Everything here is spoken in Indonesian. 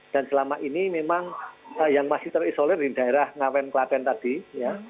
dan selama ini memang yang masih terisolir di daerah ngawen klaten tadi ya